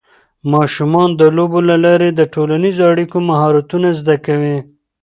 ماشومان د لوبو له لارې د ټولنیزو اړیکو مهارتونه زده کوي.